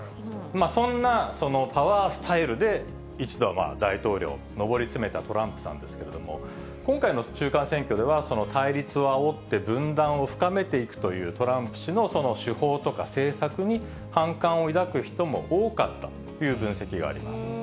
そんなパワースタイルで一度はまあ、大統領、上り詰めたトランプさんですけれども、今回の中間選挙では、その対立をあおって分断を深めていくというトランプ氏のその手法とか政策に反感を抱く人も多かったという分析があります。